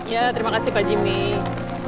ya terima kasih pak jimmy